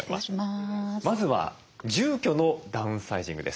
まずは住居のダウンサイジングです。